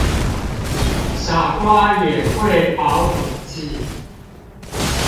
傻瓜也會跑統計